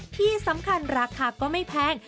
ที่สำคัญราคาก็ไม่แพง